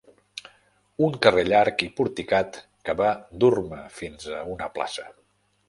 Un carrer llarg i porticat que va dur-me fins a una plaça